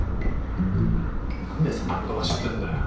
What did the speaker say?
なんでそんな言葉知ってんだよ。